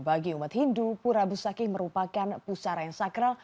bagi umat hindu pura busakih merupakan pusara yang sakral